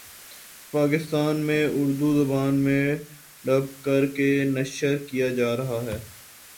پاکستان میں اردو زبان میں ڈب کر کے نشر کیا جارہا ہے